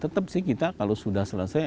tetap sih kita kalau sudah selesai